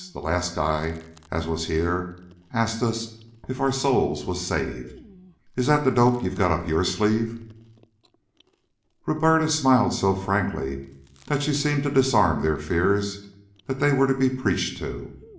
The last guy as was here asked us if our souls was saved. Is that the dope you've got up your sleeve?" Roberta smiled so frankly that she seemed to disarm their fears that they were to be preached to.